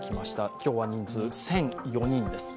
今日は人数、１００４人です。